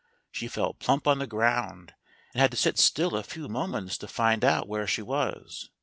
She fell plump on the ground, and had to sit still a few moments to find out where she was.